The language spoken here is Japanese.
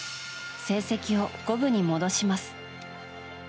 成績を五分に戻します。